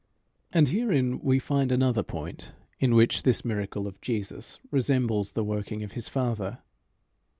And herein we find another point in which this miracle of Jesus resembles the working of his Father.